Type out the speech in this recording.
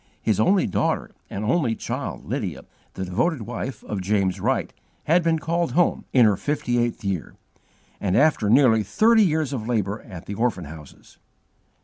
His only daughter and only child, Lydia, the devoted wife of James Wright, had been called home, in her fifty eighth year, and after nearly thirty years of labour at the orphan houses.